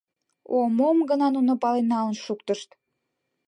О, мом гына нуно пален налын шуктышт!